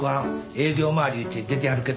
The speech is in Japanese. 営業回りいうて出てはるけどホンマ